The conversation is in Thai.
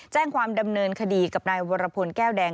แจ้งความดำเนินคดีกับนายวรพลแก้วแดง